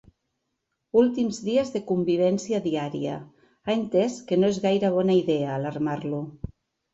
Últims dies de convivència diària ha entès que no és gaire bona idea alarmar-lo.